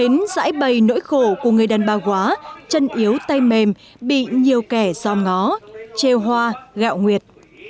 hến giải bày nỗi khổ của người đàn bà quá chân yếu tay mềm bị nhiều kẻ giò ngó treo hoa gạo nguyệt